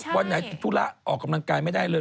วันไหนติดธุระออกกำลังกายไม่ได้เลย